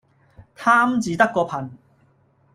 貪字得個貧